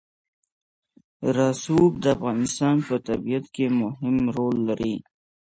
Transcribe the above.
رسوب د افغانستان په طبیعت کې مهم رول لري.